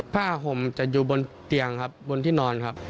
ผ้าห่มจะอยู่บนเตียงครับบนที่นอนครับ